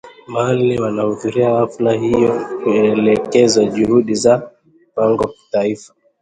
mbali wanahudhuria hafla hiyo ili kuendeleza juhudi za mpango wa Kitaifa